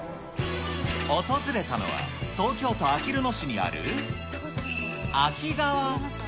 訪れたのは、東京都あきる野市にある秋川。